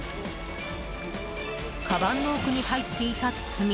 かばんの奥に入っていた包み。